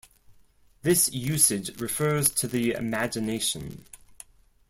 This usage refers to the imagination.